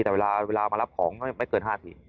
แต่เวลามารับของไม่เกิน๕ที